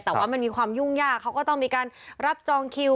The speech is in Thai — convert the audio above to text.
แต่ว่ามันมีความยุ่งยากเขาก็ต้องมีการรับจองคิว